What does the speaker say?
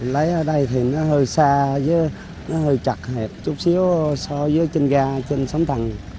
lấy ở đây thì nó hơi xa nó hơi chặt hẹp chút xíu so với trên ga trên sóng thẳng